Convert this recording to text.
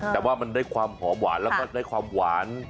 แต่ว่ามันได้ความหอมหวานแล้วก็ได้ความหวาน